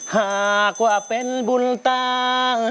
หากว่าเป็นบุญต่าง